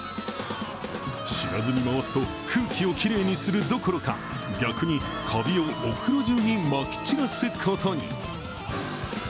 知らずに回すと空気をきれいにするどころか、逆にカビをお風呂中にまき散らすことに。